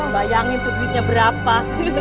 bayangin tuh duitnya berapa